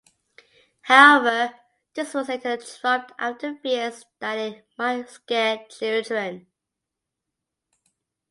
However, this was later dropped after fears that it might scare children.